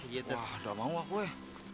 wah udah mau aku ya